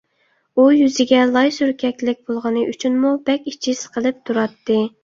ئۇ يۈزىگە لاي سۈركەكلىك بولغىنى ئۈچۈنمۇ بەك ئىچى سىقىلىپ تۇراتتى.